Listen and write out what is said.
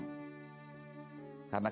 karena ketika kita berpikirkan jalan dan maaf